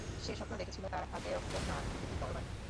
সে স্বপ্ন দেখেছিল, তার হাতে রক্তস্নাত একটি তরবারি।